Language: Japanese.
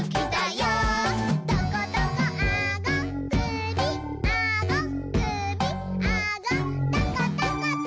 「トコトコあごくびあごくびあごトコトコト」